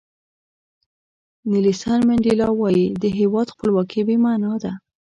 نیلسن منډیلا وایي د هیواد خپلواکي بې معنا ده.